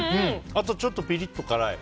あと、ちょっとピリッと辛い。